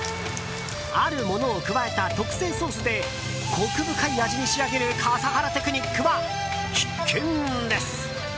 あるものを加えた特製ソースでコク深い味に仕上げる笠原テクニックは必見です。